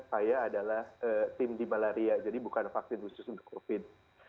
saya adalah tim di malaria jadi bukan vaksin khusus untuk covid